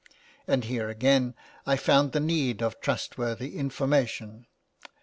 And here again I found the need of trustworthy information.